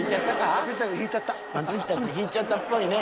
松下くん引いちゃったっぽいね。